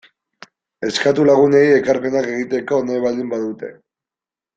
Eskatu lagunei ekarpenak egiteko nahi baldin badute.